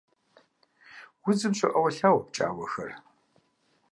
Удзым щоӀэуэлъауэ пкӀауэхэр.